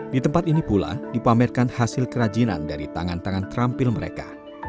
di tempat ini pula dipamerkan hasil kerajinan dari tangan tangan terampil mereka